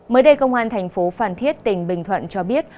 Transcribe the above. mới đây công an thành phố phan thiết tỉnh bình thuận cho biết